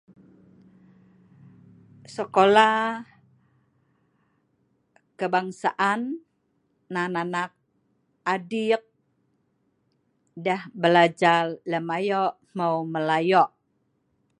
Sekola kebangsaan nan anak adiik deh belajar lem ayo hmeu melayo'